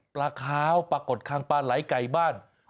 ปลาขาวปลากดคังปลาไหลไก่บ้าน